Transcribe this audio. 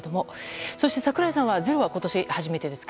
そして櫻井さんは「ｚｅｒｏ」今年初めてですが。